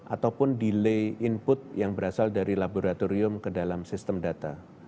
ataupun delay input yang berasal dari laboratorium ke dalam sistem data